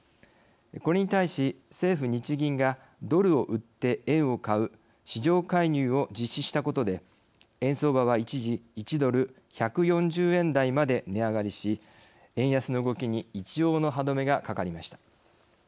これに対し政府・日銀がドルを売って円を買う市場介入を実施したことで円相場は一時１ドル１４０円台まで値上がりし円安の動きに一応の歯止めがかかりました。